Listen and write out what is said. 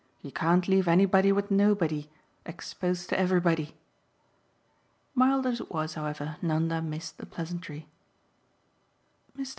You can't leave anybody with nobody exposed to everybody." Mild as it was, however, Nanda missed the pleasantry. "Mr.